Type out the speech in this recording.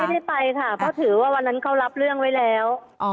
ไม่ได้ไปค่ะเพราะถือว่าวันนั้นเขารับเรื่องไว้แล้ว